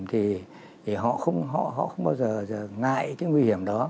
thì họ không bao giờ ngại cái nguy hiểm đó